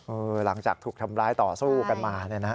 หลังจากถูกทำร้ายต่อสู้กันมาเนี่ยนะฮะ